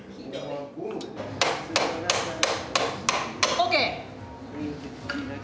ＯＫ！